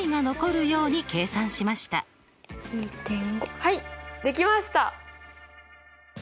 はいできました！